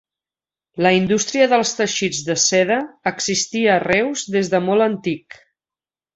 La indústria dels teixits de seda existia a Reus des de molt antic.